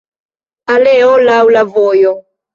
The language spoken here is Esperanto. Aleo laŭ la vojo.